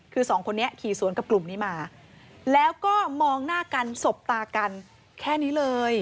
คือสองคนนี้ขี่สวนกับกลุ่มนี้มาแล้วก็มองหน้ากันสบตากันแค่นี้เลย